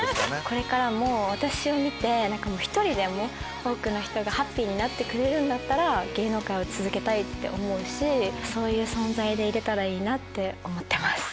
これからも私を見て１人でも多くの人がハッピーになってくれるんだったら芸能界を続けたいって思うしそういう存在でいれたらいいなって思ってます。